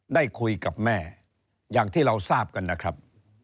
ได้คุยกับแม่อย่างที่เราทราบกันนะครับ